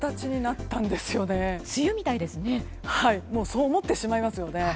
そう思ってしまいますよね。